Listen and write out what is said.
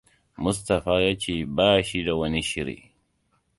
Mustapha ya ce ba shi da wani shiri.